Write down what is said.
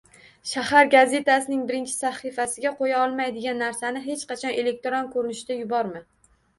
Shahar gazetasining birinchi sahifasiga qo‘ya olmaydigan narsangni hech qachon elektron ko‘rinishda yuborma.